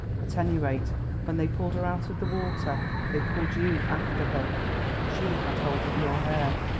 At any rate, when they pulled her out of the water they pulled you after her. She had hold of your hair."